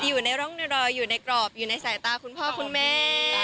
อยู่ในร่องรอยอยู่ในกรอบอยู่ในสายตาคุณพ่อคุณแม่